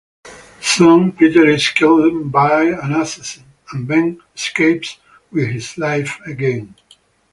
Soon, Peter is killed by an assassin, and Ben escapes with his life again.